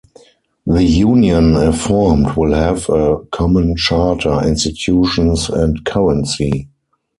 The union, if formed, will have a common charter, institutions and currency.